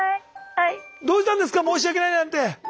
どうしたんですか申し訳ないなんて。